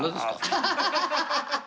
ハハハハ！